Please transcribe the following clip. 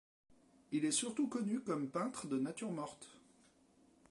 Il est surtout connu comme peintre de natures mortes.